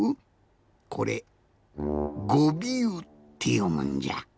これ「ごびゅう」ってよむんじゃ。